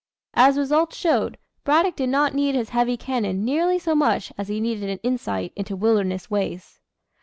As results showed, Braddock did not need his heavy cannon nearly so much as he needed an insight into wilderness ways.